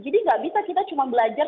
jadi gak bisa kita cuma belajar